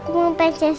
mama akan cerita